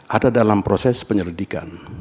ada dalam proses penyelidikan